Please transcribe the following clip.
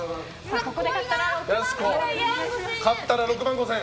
ここで勝ったら６万５０００円。